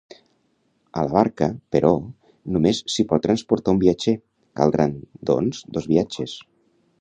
A la barca, però, només s'hi pot transportar un viatger; caldran, doncs, dos viatges.